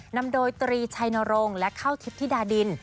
นำโดยตรีชัยนรงค์และเข้าทิพย์ธิดาดิน